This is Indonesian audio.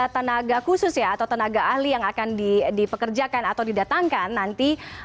tenaga khusus ya atau tenaga ahli yang akan dipekerjakan atau didatangkan nanti